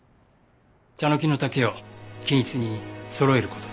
チャノキの丈を均一にそろえる事です。